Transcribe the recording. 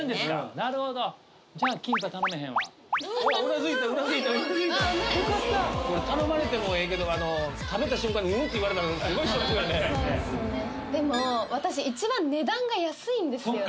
なるほどじゃあキンパ頼めへんわこれ頼まれてもええけど食べた瞬間に「ん？」って言われたらスゴいショックやねでも私一番値段が安いんですよね